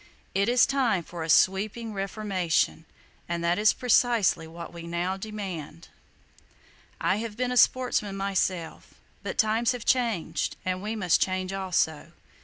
It is time for a sweeping Reformation; and that is precisely what we now demand. I have been a sportsman myself; but times have changed, and we must change also.